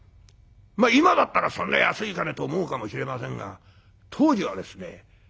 今だったらそんな安い金と思うかもしれませんが当時はですね